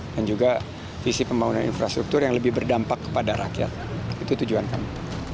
dan juga visi pembangunan infrastruktur yang lebih berdampak kepada rakyat itu tujuan kami